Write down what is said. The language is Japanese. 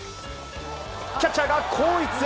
キャッチャーが後逸。